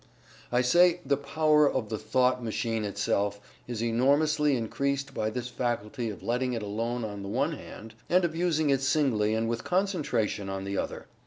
"I say the power of the thought machine itself is enormously increased by this faculty of letting it alone on the one hand, and of using it singly and with concentration on the other.